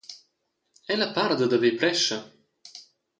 Ella para dad haver prescha.